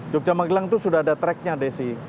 jogja magelang itu sudah ada track nya desi